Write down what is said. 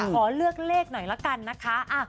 ขอเลือกเลขหน่อยละกันนะคะ